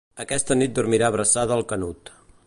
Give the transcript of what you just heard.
Aquesta nit dormirà abraçada al Canut.